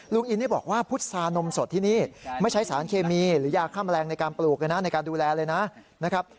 ลุงอินนี่บอกว่าพุทธซานมสดที่นี่ไม่ใช้สารเคมีหรือยากข้ามแรงในการปลูกนะในการดูแลเลยนะ